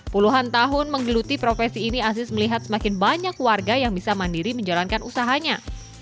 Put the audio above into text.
puluhan tahun menggeluti profesi ini aziz melihat semakin banyak warga yang bisa mandiri menjalankan usahanya